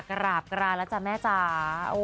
กราบกรานแล้วจ้ะแม่จ๋า